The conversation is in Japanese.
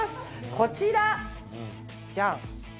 こちらジャン！